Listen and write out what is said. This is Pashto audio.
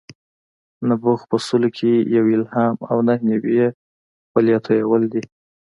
نبوغ په سلو کې یو الهام او نهه نوي یې خولې تویول دي.